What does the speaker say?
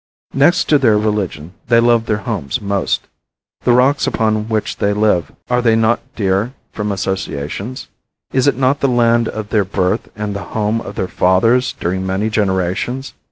Next to their religion they love their homes most. The rocks upon which they live, are they not dear from associations? Is it not the land of their birth and the home of their fathers during many generations?